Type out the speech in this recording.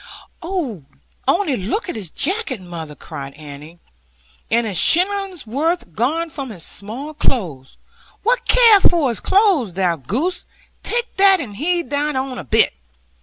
'Only look at his jacket, mother!' cried Annie; 'and a shillingsworth gone from his small clothes!' 'What care I for his clothes, thou goose? Take that, and heed thine own a bit.'